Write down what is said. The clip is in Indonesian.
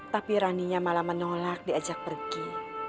tapi raninya malah menolak diajak pergi